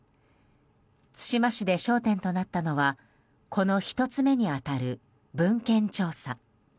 対馬市で焦点となったのはこの１つ目に当たる文献調査。